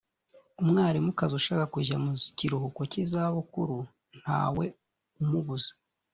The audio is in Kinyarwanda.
umwarimukazi ushaka kujya mu kiruhuko cy’izabukuru ntawe umubuza